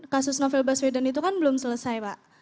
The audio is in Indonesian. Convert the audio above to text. kasus novel baswedan itu kan belum selesai pak